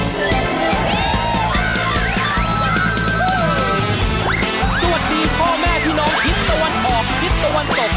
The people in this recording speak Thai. สวัสดีพ่อแม่พี่น้องทิศตะวันออกทิศตะวันตก